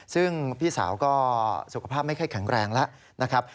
ซึ่งพี่สาวก็สุขภาพไม่ค่อยแข็งแรงแล้วนะครับ